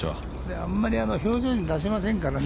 あまり表情には出しませんからね。